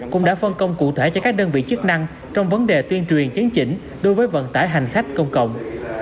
cũng đã phân công cụ thể cho các đơn vị chức năng trong vấn đề tuyên truyền chấn chỉnh đối với vận tải hành khách công cộng